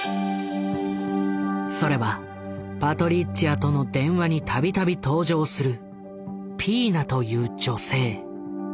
それはパトリッツィアとの電話にたびたび登場するピーナという女性。